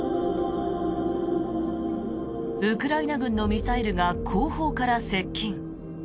ウクライナ軍のミサイルが後方から接近。